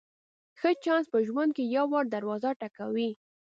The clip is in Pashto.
ښه چانس په ژوند کې یو وار دروازه ټکوي.